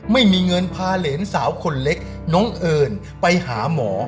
ไม่มีเงินพาเหรนสาวคนเล็กน้องเอิญไปหาหมอ